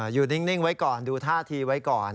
อยู่นิ่งไว้ก่อนดูท่าทีไว้ก่อน